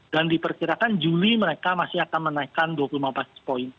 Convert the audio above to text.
dan diperkirakan juli mereka masih akan menaikkan dua puluh lima basis point